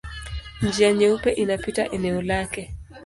Njia Nyeupe inapita eneo lake.